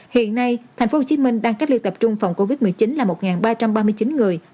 hiện nay thành phố hồ chí minh đang cách ly tập trung phòng covid một mươi chín là một ba trăm ba mươi chín người